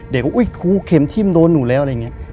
เด็กว่าอุ๊ยคุณเข็มทิ้มโดนหนูแล้วอะไรอย่างนี้